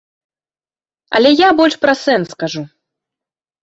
Але я больш пра сэнс кажу.